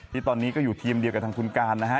ที่ตอนนี้ก็อยู่ทีมเดียวกับทางคุณการนะฮะ